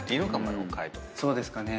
そうですかね？